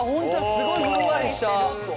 すごいふんわりした。